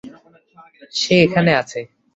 সে এখানে আছে।